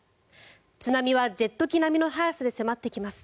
津波はジェット機並みの速さで迫ってきます。